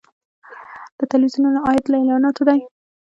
د تلویزیونونو عاید له اعلاناتو دی